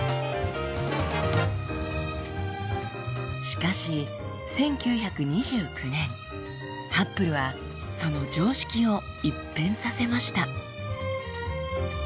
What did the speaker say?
しかし１９２９年ハッブルはその常識を一変させました。